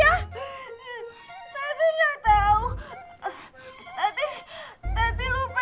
ya allah ngapaan dia